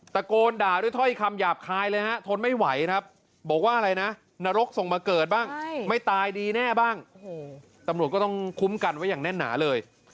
ตะโกนด่าด้วยถ้อยคำหยาบคายเลยฮะทนไม่ไหวครับบอกว่าอะไรนะนรกส่งมาเกิดบ้างไม่ตายดีแน่บ้างตำรวจก็ต้องคุ้มกันไว้อย่างแน่นหนาเลย